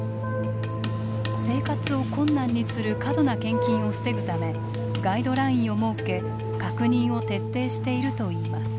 生活を困難にする過度な献金を防ぐためガイドラインを設け確認を徹底しているといいます。